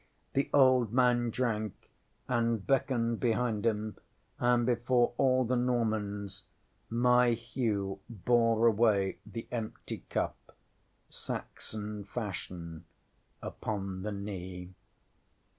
The old man drank, and beckoned behind him, and, before all the Normans, my Hugh bore away the empty cup, Saxon fashion, upon the knee.